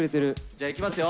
じゃあ、いきますよ。